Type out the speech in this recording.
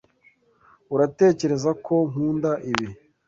Uratekereza ko nkunda ibi?